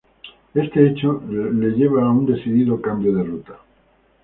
Este hecho la lleva a un decidido cambio de ruta.